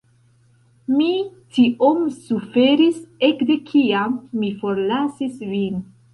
Mi tiom suferis ekde kiam mi forlasis vin.